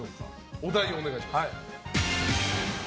お題をお願いします。